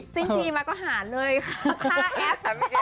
ซึ่งพี่มาก็หาเลย๕แอป